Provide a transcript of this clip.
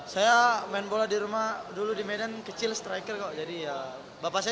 saya main bola di rumah dulu di medan kecil striker kok jadi ya bapak saya juga striker jadi tau bagaimana cara main